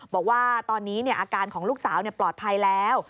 บอกว่าตอนนี้อาการของลูกสาวปลอดภัยแล้ว